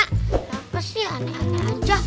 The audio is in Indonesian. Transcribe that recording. kenapa sih aneh aneh aja